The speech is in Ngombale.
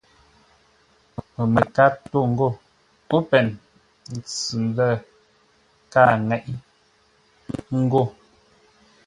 Pəməkár tô ngô: “Open!” Ntsʉ-ndə̂ kâa ŋeʼé; ńgó.